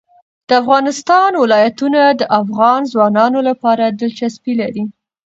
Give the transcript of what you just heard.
د افغانستان ولايتونه د افغان ځوانانو لپاره دلچسپي لري.